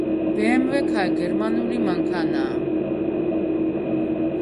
ბემვე გერმანული მანქანაა